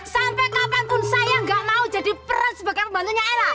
sampai kapan pun saya gak mau jadi peran sebagai pembantunya ela